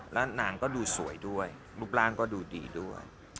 แล้วนางก็ดูสวยด้วยรูปร่างก็ดูดีด้วย